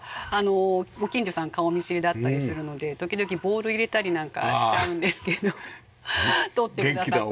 ご近所さん顔見知りだったりするので時々ボール入れたりなんかしちゃうんですけど取ってくださったりして。